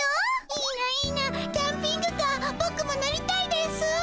いいないいなキャンピングカーボクも乗りたいですぅ。